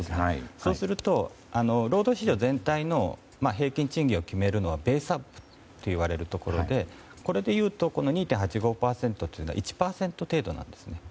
そうすると、労働市場全体の平均賃金を決めるのはベースアップといわれるところでこれでいうと２．８５％は１％程度なんですね。